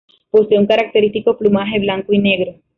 Posee un característico plumaje blanco y negro.